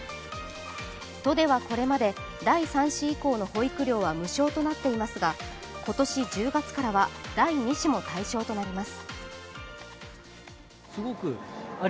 都ではこれまで第３子以降の保育料は無償となっていますが今年１０月からは第２子も対象となります。